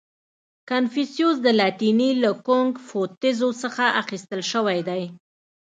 • کنفوسیوس د لاتیني له کونګ فو تزو څخه اخیستل شوی دی.